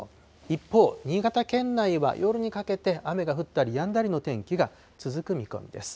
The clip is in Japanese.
一方、新潟県内は夜にかけて雨が降ったりやんだりの天気が続く見込みです。